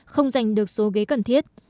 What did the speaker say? không giành được số ghế cần thiết